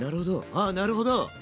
ああなるほど！